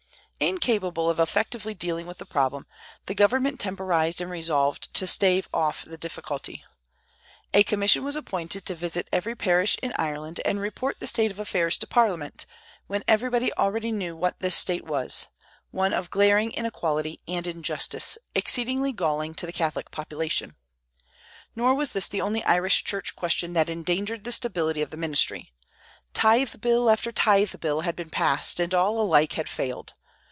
Incapable of effectively dealing with the problem, the government temporized and resolved to stave off the difficulty. A commission was appointed to visit every parish in Ireland and report the state of affairs to Parliament, when everybody already knew what this state was, one of glaring inequality and injustice, exceedingly galling to the Catholic population. Nor was this the only Irish Church question that endangered the stability of the ministry. Tithe bill after tithe bill had been passed, and all alike had failed.